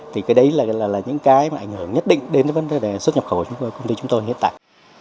thì cái đấy là những cái mà ảnh hưởng nhất định đến vấn đề xuất nhập khẩu của chúng tôi chúng tôi hiện tại